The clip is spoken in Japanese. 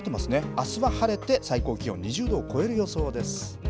あすは晴れて、最高気温２０度を超える予想です。